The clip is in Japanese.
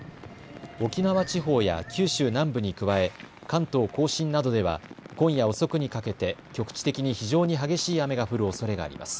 沖縄地方や九州南部に加え関東甲信などでは今夜遅くにかけて局地的に非常に激しい雨が降るおそれがあります。